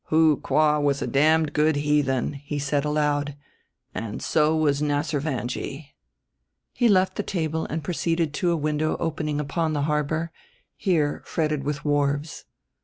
"Houqua was a damned good heathen," he said aloud: "and so was Nasservanjee." He left the table and proceeded to a window opening upon the harbor, here fretted with wharves.